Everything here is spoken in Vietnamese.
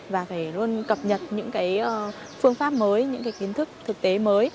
và phải luôn cập nhật những cái phương pháp mới những cái kiến thức thực tế mới